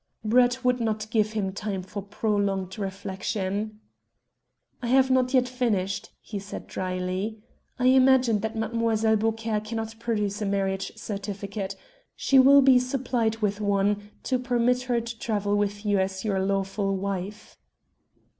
Brett would not give him time for prolonged reflection. "I have not yet finished," he said drily. "I imagine that Mlle. Beaucaire cannot produce a marriage certificate. She will be supplied with one, to permit her to travel with you as your lawful wife."